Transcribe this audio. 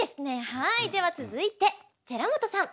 はいでは続いててらもとさん。